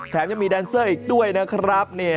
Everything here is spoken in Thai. แถมยังมีแดนเซอร์อีกด้วยนะครับ